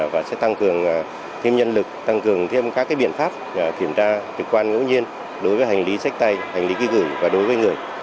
và sẽ tăng cường thêm nhân lực tăng cường thêm các biện pháp kiểm tra thực quan ngẫu nhiên đối với hành lý sách tay hành lý ghi gửi và đối với người